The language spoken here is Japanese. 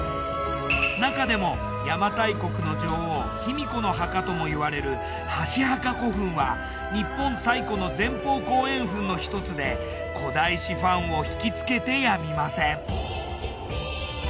なかでも邪馬台国の女王卑弥呼の墓ともいわれる箸墓古墳は日本最古の前方後円墳の一つで古代史ファンをひきつけてやみません。